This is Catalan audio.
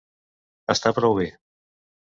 Està prou bé.